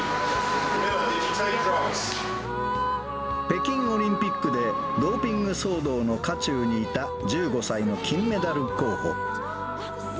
北京オリンピックでドーピング騒動の渦中にいた１５歳の金メダル候補。